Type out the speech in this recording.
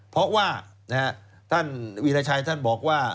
เพราะว่าท่านวีรชัยท่านบอกว่า